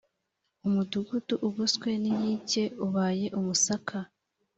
Umudugudu ugoswe n inkike ubaye umusaka